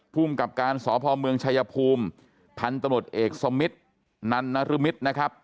พุ่มกับการสอบพ่อเมืองชัยภูมิพันธนุษย์เอกสมมิตรนันนรมิตรนะครับ